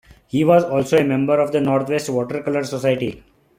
He was also a member of the Northwest Watercolour Society.